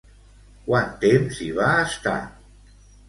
Quant temps hi va estar?